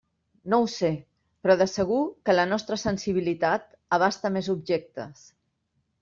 No ho sé; però de segur que la nostra sensibilitat abasta més objectes.